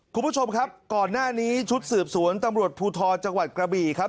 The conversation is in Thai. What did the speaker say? คุณผู้ชมครับก่อนหน้านี้ชุดสืบสวนตำรวจภูทรจังหวัดกระบี่ครับ